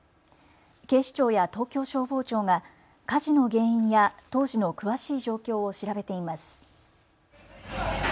警視庁や東京消防庁が火事の原因や当時の詳しい状況を調べています。